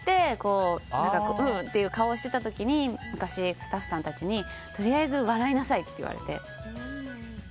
うっって顔をしていた時に昔、スタッフさんたちにとりあえず笑いなさいって言われて。